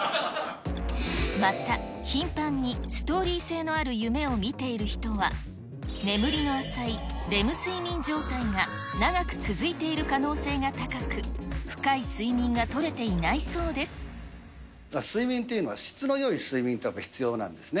また頻繁にストーリー性のある夢を見ている人は、眠りの浅いレム睡眠状態が長く続いている可能性が高く、睡眠っていうのは、質のよい睡眠というのがやっぱり必要なんですね。